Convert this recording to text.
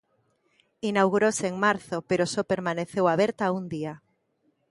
Inaugurouse en marzo, pero só permaneceu aberta un día.